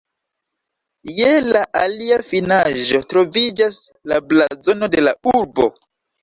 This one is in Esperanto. Je la alia finaĵo troviĝas la blazono de la urbo.